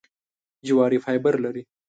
جواري فایبر لري .